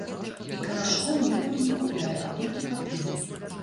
І карашкоў ніколі не купляе, а толькі паперу.